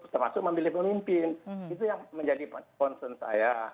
termasuk memilih pemimpin itu yang menjadi concern saya